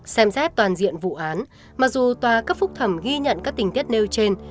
xem xét toàn diện vụ án mặc dù tòa cấp phúc thẩm ghi nhận các tình tiết nêu trên